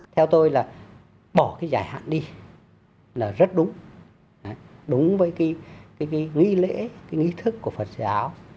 theo tôi là bỏ cái giải hạn đi là rất đúng với cái nghĩ lễ cái nghĩ thức của phật giáo